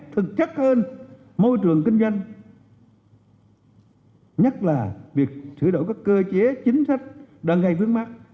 thực chất hơn môi trường kinh doanh nhất là việc sửa đổi các cơ chế chính sách đang gây vướng mắt